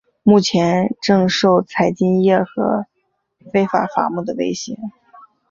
目前正受采金业和非法伐木的威胁。